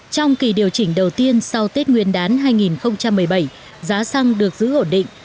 trong kỳ điều chỉnh đầu tiên sau tết nguyên đán hai nghìn một mươi bảy giá xăng được giữ ổn định